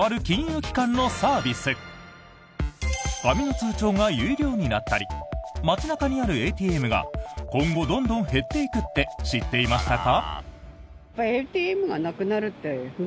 紙の通帳が有料になったり街中にあるＡＴＭが今後、どんどん減っていくって知っていましたか？